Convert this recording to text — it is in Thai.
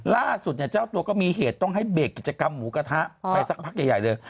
ล่าสุดเนี่ยเจ้าตัวก็มีเหตุต้องให้เบรกกิจกรรมหมูกระทะไปสักพักใหญ่เลย